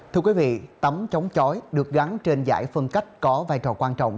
thưa quý vị tấm chống chói được gắn trên giải phân cách có vai trò quan trọng